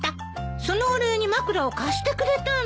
そのお礼に枕を貸してくれたの。